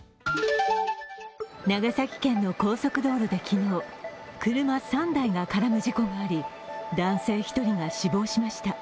長崎県の高速道路で昨日、車３台が絡む事故があり男性１人が死亡しました。